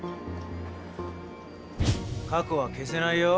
過去は消せないよ。